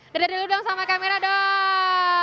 dari dulu dong sama kamera dong